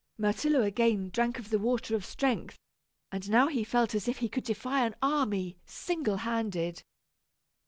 Myrtillo again drank of the water of strength, and now he felt as if he could defy an army, single handed.